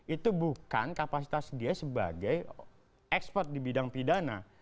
itu bukan kapasitas dia sebagai ekspor di bidang pidana